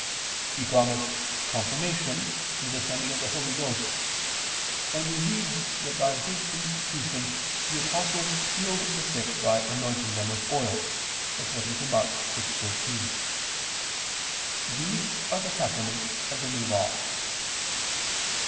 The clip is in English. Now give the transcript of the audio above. He promised Confirmation through the sending of the Holy Ghost: and we read that by His institution the apostles healed the sick by anointing them with oil (Mk. 6:13). These are the sacraments of the New Law.